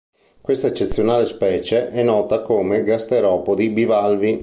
Questa eccezionale specie è nota come gasteropodi bivalvi.